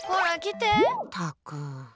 ったく。